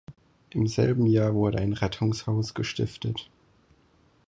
Im selben Jahr wurde ein Rettungshaus gestiftet.